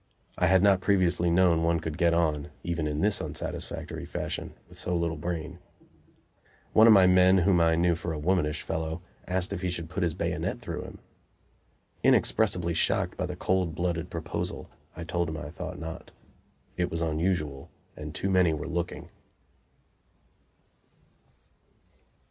I had not previously known one could get on, even in this unsatisfactory fashion, with so little brain. One of my men, whom I knew for a womanish fellow, asked if he should put his bayonet through him. Inexpressibly shocked by the cold blooded proposal, I told him I thought not; it was unusual, and too many were looking.